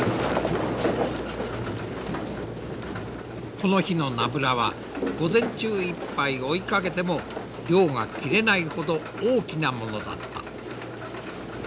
この日のナブラは午前中いっぱい追いかけても漁が切れないほど大きなものだった。